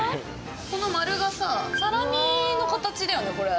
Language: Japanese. この丸がさサラミの形だよねこれ。